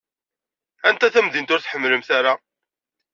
Anta tamdint ur tḥemmlemt ara?